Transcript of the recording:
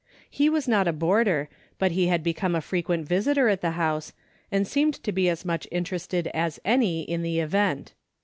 He was not a boarder, but he had become a frequent visitor at the house, and seemed to be as much interested as any one in the event.